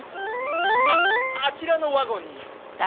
ああちらのワゴンに。